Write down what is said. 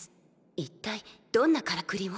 一体どんなからくりを？